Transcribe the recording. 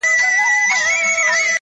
گراني خبري سوې د وخت ملكې “